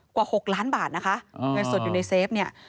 กว่า๖ล้านบาทนะคะเงินสดอยู่ในเซฟเนี่ย